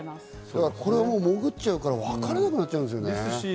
潜っちゃうからわからなくなっちゃうんですよね。